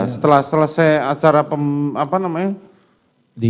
setelah selesai acara apa namanya di